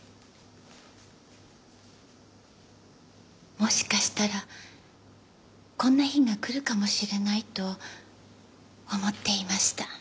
もしかしたらこんな日が来るかもしれないと思っていました。